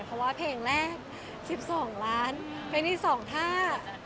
เพราะว่าเพลงแรกสิบสองล้านภายในสองท่า